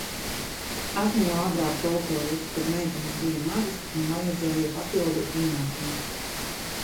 Esmu jau agrāk tulkojusi, kad meitenes bija mazas un vajadzēja papildu ienākumus.